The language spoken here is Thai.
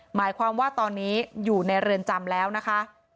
หมายความว่าตอนนี้อยู่ในเรือนจำแล้วนะคะ